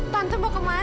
tante mau kemana